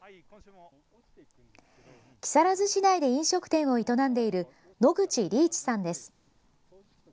木更津市内で飲食店を営んでいる野口利一さんです。